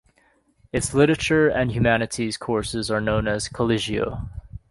Its literature and humanities courses are known as "Collegio".